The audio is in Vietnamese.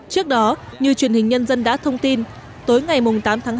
trước đó như truyền hình nhân dân đã thông tin tối ngày tám tháng tám